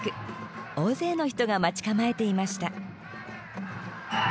大勢の人が待ち構えていました。